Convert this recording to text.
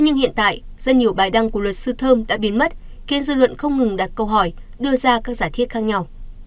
nhiều bài đăng của luật sư thơm đã biến mất khiến dư luận không ngừng đặt câu hỏi đưa ra các giả thiết khác nhau